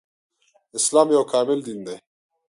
اسلام يو کامل دين دی